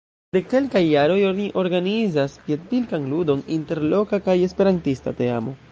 De kelkaj jaroj, oni organizas piedpilkan ludon inter loka kaj esperantista teamoj.